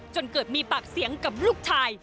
จนเกิดมีปากเสียงกับลูกชาย